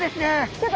ちょっと。